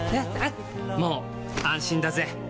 もう安心だぜ！